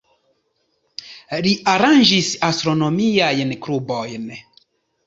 Li aranĝis astronomiajn klubojn.